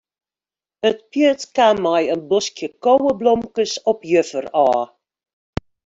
It pjut kaam mei in boskje koweblomkes op juffer ôf.